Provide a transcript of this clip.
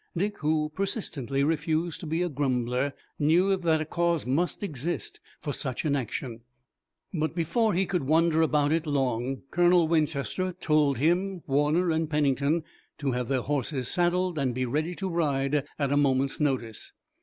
Dick, who persistently refused to be a grumbler, knew that a cause must exist for such an action, but before he could wonder about it long Colonel Winchester told him, Warner and Pennington to have their horses saddled, and be ready to ride at a moment's notice.